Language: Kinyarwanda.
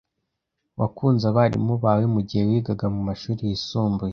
Wakunze abarimu bawe mugihe wigaga mumashuri yisumbuye?